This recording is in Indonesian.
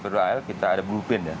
sekarang kan kita ada blue band ya